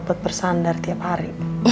buat bersandar tiap hari